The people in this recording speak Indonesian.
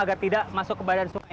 agar tidak masuk ke badan sungai